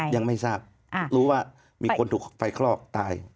ยังไม่ทราบรู้ว่ามีคนถูกไฟคลอกตาย